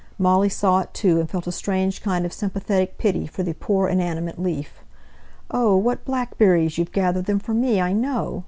Molly saw it, too, and felt a strange kind of sympathetic pity for the poor inanimate leaf. "Oh! what blackberries! you've gathered them for me, I know!"